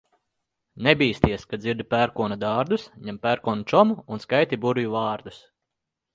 Nebīsties, kad dzirdi pērkona dārdus, ņem pērkona čomu un skaiti burvju vārdus.